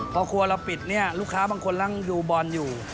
พอครัวเราปิดเนี่ยลูกค้าบางคนนั่งดูบอลอยู่